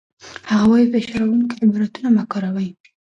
هغه وايي، فشار راوړونکي عبارتونه مه کاروئ.